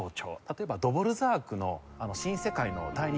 例えばドヴォルザークの『新世界』の第２楽章